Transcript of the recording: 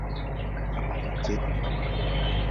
আমাকে যেতে দাও।